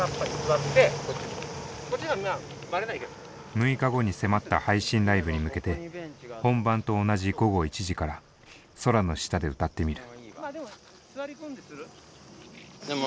６日後に迫った配信ライブに向けて本番と同じ午後１時から空の下で歌ってみる。